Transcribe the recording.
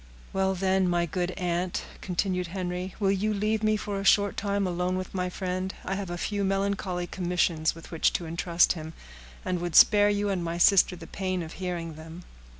"Well, then, my good aunt," continued Henry, "will you leave me for a short time alone with my friend? I have a few melancholy commissions with which to intrust him, and would spare you and my sister the pain of hearing them."